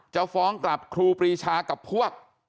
จะฟ้องกลับครูปรีชากับพวก